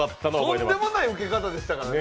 とんでもないウケ方でしたからね。